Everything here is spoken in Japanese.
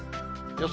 予想